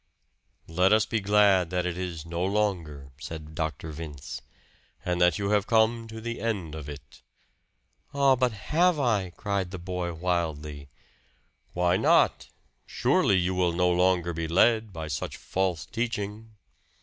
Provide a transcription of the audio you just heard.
"Let us be glad that it is no longer," said Dr. Vince "and that you have come to the end of it." "Ah, but have I?" cried the boy wildly. "Why not? Surely you will no longer be led by such false teaching!"